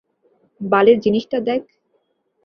বালের জিনিসটা দেখ।